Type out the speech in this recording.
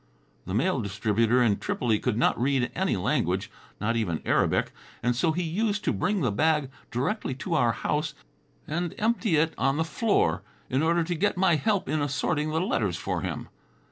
The mail distributor in Tripoli could not read any language, not even Arabic, and so he used to bring the bag directly to our house and empty it on the floor, in order to get my help in assorting the letters for him.